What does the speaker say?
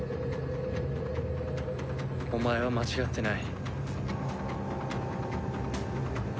お前は間違ってない。